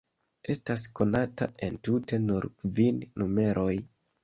Estas konataj entute nur kvin numeroj.